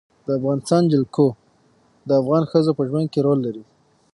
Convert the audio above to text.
د افغانستان جلکو د افغان ښځو په ژوند کې رول لري.